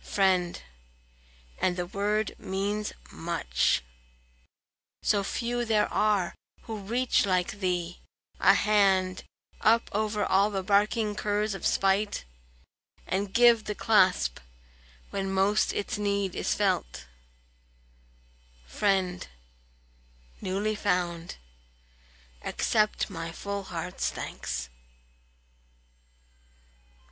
Friend and the word means much So few there are who reach like thee, a hand Up over all the barking curs of spite And give the clasp, when most its need is felt; Friend, newly found, accept my full heart's thanks.